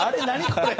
これ。